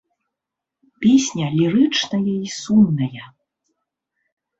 Песня лірычная і сумная.